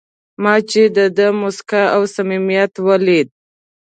ما چې د ده موسکا او صمیمیت ولید.